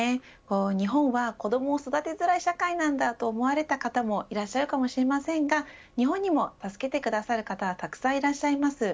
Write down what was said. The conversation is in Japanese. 日本は子どもを育てづらい社会なんだと思われた方もいらっしゃるかもしれませんが日本にも助けてくださる方はたくさんいらっしゃいます。